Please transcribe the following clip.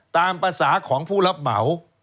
ตามภาษาของผู้รับเหมา